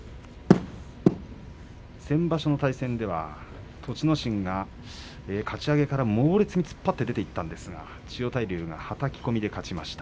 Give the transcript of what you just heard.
先場所の対戦では栃ノ心がかち上げから猛烈に突っ張って出ていったんですが千代大龍がはたき込みで勝ちました。